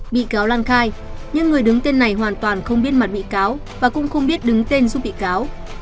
bị cáo lan khai nhưng người đứng tên này hoàn toàn không biết mặt bị cáo và cũng không biết đứng tên giúp bị cáo